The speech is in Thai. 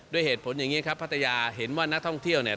ด้วยเหตุผลอย่างนี้ครับพัทยาเห็นว่านักท่องเที่ยวเนี่ย